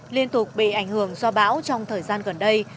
liên tục bị ảnh hưởng do bão trong thời gian gần đây